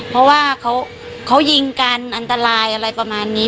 เพราะว่าเขายิงกันอันตรายอะไรประมาณนี้